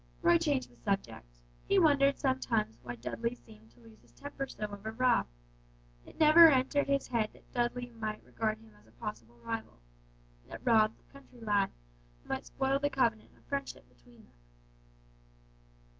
Roy changed the subject. He wondered sometimes why Dudley seemed to lose his temper so over Rob; it never entered his head that Dudley might regard him as a possible rival; that Rob, the country lad, might spoil the covenant of friendship between them.